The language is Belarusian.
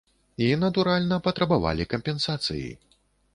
І, натуральна, патрабавалі кампенсацыі.